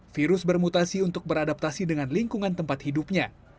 virus bermutasi untuk beradaptasi dengan lingkungan tempat hidupnya